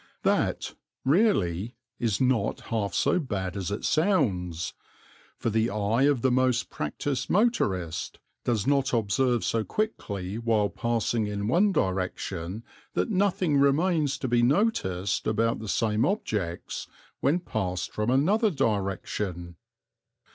That, really, is not half so bad as it sounds, for the eye of the most practised motorist does not observe so quickly while passing in one direction that nothing remains to be noticed about the same objects when passed from another direction.